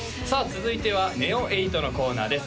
続いてはＮＥＯ８のコーナーです